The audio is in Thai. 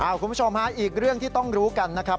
คุณผู้ชมฮะอีกเรื่องที่ต้องรู้กันนะครับ